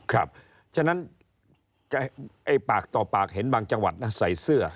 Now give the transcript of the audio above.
ฉะนั้นไอ้ปากต่อปากเห็นบางจังหวัดนะใส่เสื้อ